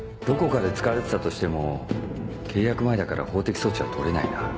どこかで使われてたとしても契約前だから法的措置は取れないな。